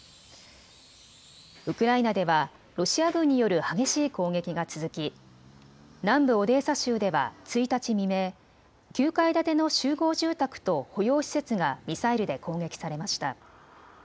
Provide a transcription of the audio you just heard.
ウクライナではロシア軍による激しい攻撃が続き南部オデーサ州では１日未明、９階建ての集合住宅と保養施設がミサイルで攻撃されました。